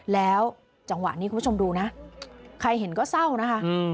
แล้วจังหวะนี้คุณผู้ชมดูนะใครเห็นก็เศร้านะคะ